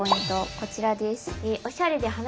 こちらです！